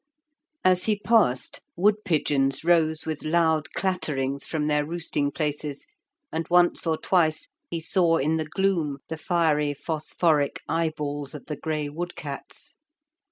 As he passed, wood pigeons rose with loud clatterings from their roosting places, and once or twice he saw in the gloom the fiery phosphoric eye balls of the grey wood cats.